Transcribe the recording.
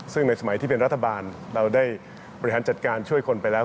ซึ่งในสมัยที่เป็นรัฐบาลเราได้บริหารจัดการช่วยคนไปแล้ว